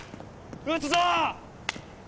撃つぞ！